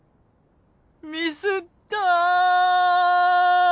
ミスった！